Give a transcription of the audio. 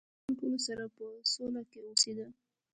هغه له ټولو سره په سوله کې اوسیده.